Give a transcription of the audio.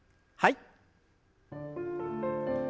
はい。